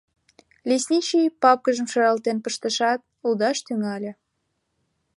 Лесничий папкыжым шаралтен пыштышат, лудаш тӱҥале.